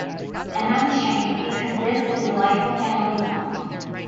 And that's a shame, because this is a delightful family film.